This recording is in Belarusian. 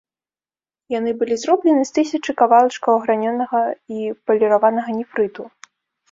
Яны былі зроблены з тысячы кавалачкаў аграненага і паліраванага нефрыту.